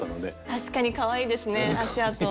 確かにかわいいですね足あと。